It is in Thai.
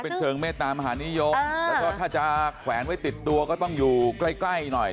เป็นเชิงเมตตามหานิยมแล้วก็ถ้าจะแขวนไว้ติดตัวก็ต้องอยู่ใกล้ใกล้หน่อย